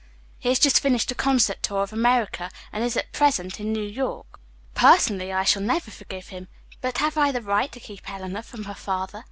He has just finished a concert tour of America, and is at present in New York. "Personally, I shall never forgive him, but have I the right to keep Eleanor from her father?